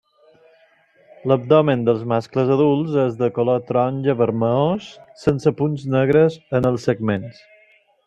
L'abdomen dels mascles adults és de color taronja vermellós, sense punts negres en els segments.